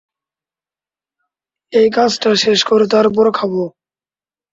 এই কাজটা শেষ করে তারপর খাবো।